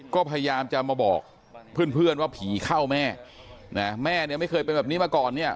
ก็พยายามจะมาบอกเพื่อนเพื่อนว่าผีเข้าแม่นะแม่เนี่ยไม่เคยเป็นแบบนี้มาก่อนเนี่ย